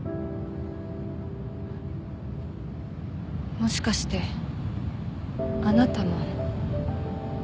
もしかしてあなたも？